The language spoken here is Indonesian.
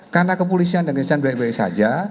karena kepulisian dan kejaksaan baik baik saja